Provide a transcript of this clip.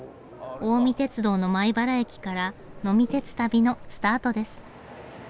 近江鉄道の米原駅から呑み鉄旅のスタートです。